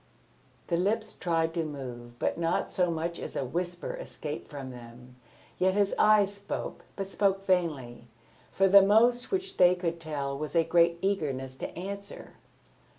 The lips tried to move, but not so much as a whisper escaped from them. Yet his eyes spoke, but spoke vainly. For the most which they could tell was a great eagerness to answer.